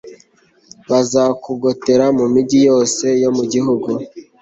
bazakugotera mu migi yose yo mu gihugu